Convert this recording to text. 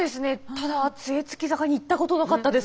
ただ杖衝坂に行ったことなかったです。